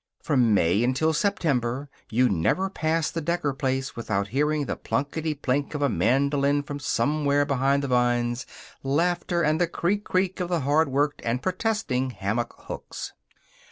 From May until September you never passed the Decker place without hearing the plunkety plink of a mandolin from somewhere behind the vines, laughter, and the creak creak of the hard worked and protesting hammock hooks.